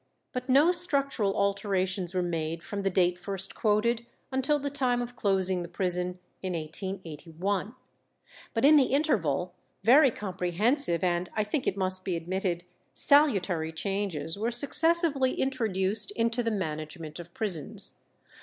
But no structural alterations were made from the date first quoted until the time of closing the prison in 1881. But in the interval very comprehensive and, I think it must be admitted, salutary changes were successively introduced into the management of prisons.